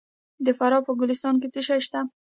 د فراه په ګلستان کې څه شی شته؟